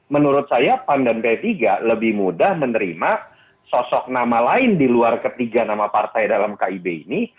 menurut saya pan dan p tiga lebih mudah menerima sosok nama lain di luar ketiga nama partai dalam kib ini